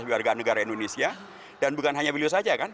warga negara indonesia dan bukan hanya beliau saja kan